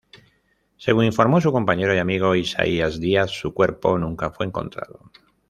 Según informó su compañero y amigo Isaías Díaz, su cuerpo nunca fue encontrado.